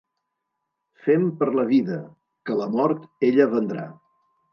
Fem per la vida, que la mort ella vendrà.